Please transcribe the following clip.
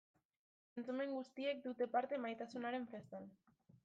Zentzumen guztiek dute parte maitasunaren festan.